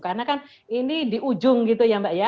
karena kan ini di ujung gitu ya mbak ya